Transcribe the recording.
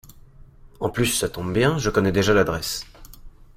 En plus ça tombe bien, je connais déjà l’adresse.